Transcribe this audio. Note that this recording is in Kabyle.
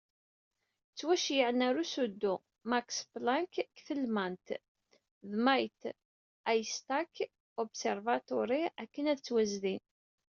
Ttwaceyyɛen ɣer Usudu Max Planck deg Telmant d Mit Haystack Observatory akken ad ttwazdin.